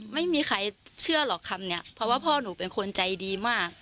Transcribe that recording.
ไม่มีใครเชื่อหรอกคำนี้เพราะว่าพ่อหนูเป็นคนใจดีมาก